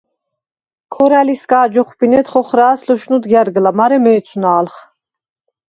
ქორა̈ლისგა̄ჯ ოხბინედ ხოხრა̄̈ლს ლუშნუდ გა̈რგლა მარე ,მე̄ცუ̂ნა̄ლხ!